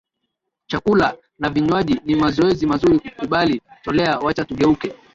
chakula na vinywaji ni mazoezi mazuri kukubali toleo Wacha tugeuke